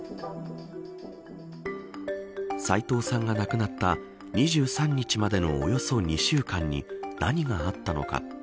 斎藤さんが亡くなった２３日までのおよそ２週間に何があったのか。